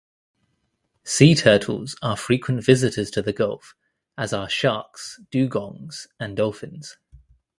Sea turtles are frequent visitors to the gulf as are sharks, dugongs, and dolphins.